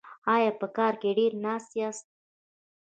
ایا په کار کې ډیر ناست یاست؟